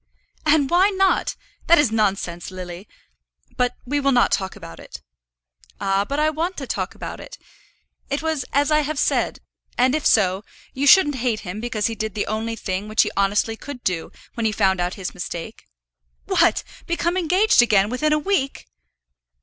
"And why not? That is nonsense, Lily. But we will not talk about it." "Ah, but I want to talk about it. It was as I have said, and if so, you shouldn't hate him because he did the only thing which he honestly could do when he found out his mistake." "What; become engaged again within a week!"